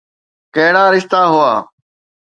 ڪهڙا رشتا هئا؟